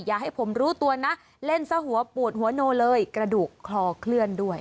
อย่าให้ผมรู้ตัวนะเล่นซะหัวปวดหัวโนเลยกระดูกคลอเคลื่อนด้วย